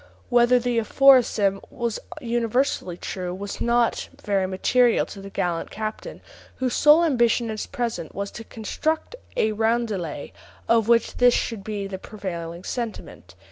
Whether the aphorism were universally true was not very material to the gallant captain, whose sole ambition at present was to construct a roundelay of which this should be the prevailing sentiment.